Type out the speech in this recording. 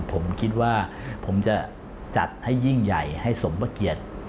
ผมคิดว่าผมจะจัดให้ยิ่งใหญ่ให้สมประเกียรติ